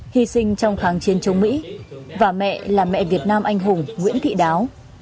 hy sinh trong kháng chiến chống mỹ và mẹ là mẹ việt nam anh hùng nguyễn thị đáo